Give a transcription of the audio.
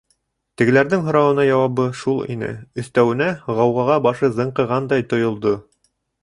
Тегеләрҙең һорауына яуабы шул ине, өҫтәүенә, ғауғаға башы зыңҡығандай тойолдо.